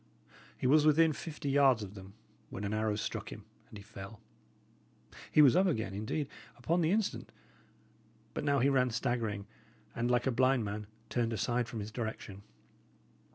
He was within fifty yards of them, when an arrow struck him and he fell. He was up again, indeed, upon the instant; but now he ran staggering, and, like a blind man, turned aside from his direction.